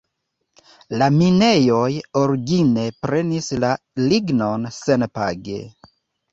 La minejoj origine prenis la lignon senpage.